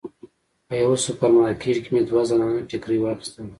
په یوه سوپر مارکیټ کې مې دوه زنانه ټیکري واخیستل.